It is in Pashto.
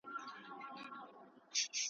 مګر تا له خلکو نه دي اورېدلي؟ .